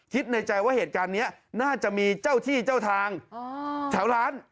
ในใจว่าเหตุการณ์นี้น่าจะมีเจ้าที่เจ้าทางแถวร้าน